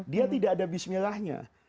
dia tidak ada bismillahnya